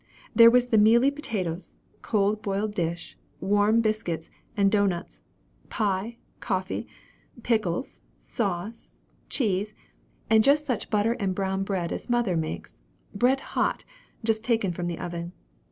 There were the mealy potatoes, cold boiled dish, warm biscuit and dough nuts, pie, coffee, pickles, sauce, cheese, and just such butter and brown bread as mother makes bread hot, just taken from the oven.